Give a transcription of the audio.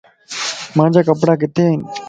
مانجا ڪپڙا ڪٿي ائين